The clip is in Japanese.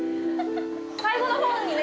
最後のほうにね